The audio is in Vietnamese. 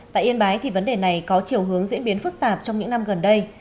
tại yên bái thì vấn đề này có chiều hướng diễn biến phức tạp trong những năm gần đây